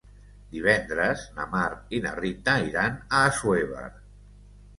Divendres na Mar i na Rita iran a Assuévar.